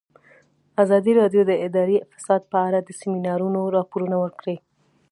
ازادي راډیو د اداري فساد په اړه د سیمینارونو راپورونه ورکړي.